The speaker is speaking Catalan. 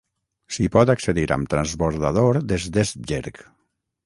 S'hi pot accedir amb transbordador des d'Esbjerg.